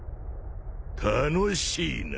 楽しいな。